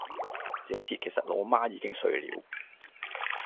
這時其實老媽已經睡了